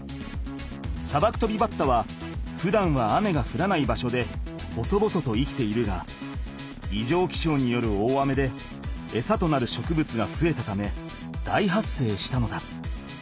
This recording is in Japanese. サバクトビバッタはふだんは雨がふらない場所で細々と生きているがいじょうきしょうによる大雨でエサとなる植物がふえたため大発生したのだ。